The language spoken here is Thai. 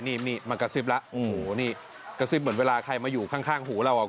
นี่มันกระซิบแล้ว